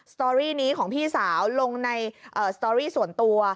สตอรี่นี้ของพี่สาวลงในสตอรี่ส่วนตัว